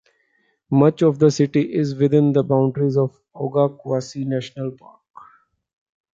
Much of the city is within the boundaries of the Oga Quasi-National Park.